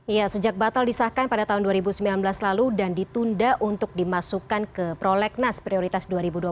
iya sejak batal disahkan pada tahun dua ribu sembilan belas lalu dan ditunda untuk dimasukkan ke prolegnas prioritas dua ribu dua puluh